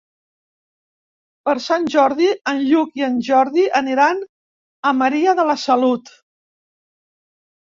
Per Sant Jordi en Lluc i en Jordi aniran a Maria de la Salut.